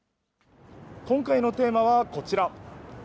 今回のテーマはこちら。